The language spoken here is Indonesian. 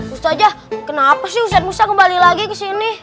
ustadz jah kenapa sih ustadz mursa kembali lagi ke sini